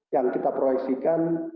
yang kita proyeksikan